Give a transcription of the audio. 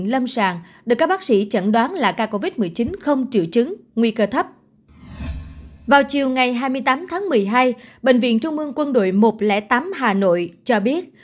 trước đó vào ngày một mươi chín tháng một mươi hai bệnh viện trung mương quân đội một trăm linh tám hà nội cho biết